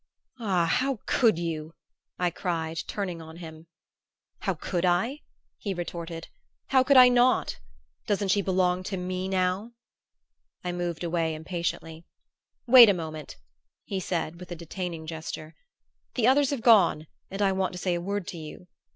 "Ah, how could you?" I cried, turning on him. "How could I?" he retorted. "How could I not? Doesn't she belong to me now?" I moved away impatiently. "Wait a moment," he said with a detaining gesture. "The others have gone and I want to say a word to you.